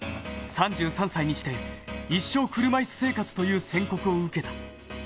３３歳にして、一生車いす生活という宣告を受けた。